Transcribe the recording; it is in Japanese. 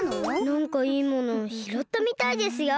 なんかいいものをひろったみたいですよ。